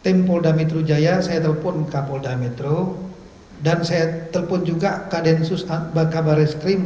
tim polda metro jaya saya telepon ke polda metro dan saya telepon juga ke densus baka baris krim